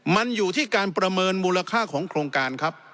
มันอยู่ที่การประเมินมูลค่าของโครงการครับ